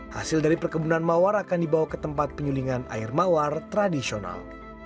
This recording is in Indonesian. hasil dari perkebunan mawar akan dibawa ke tempat penyulingan air mawar tradisional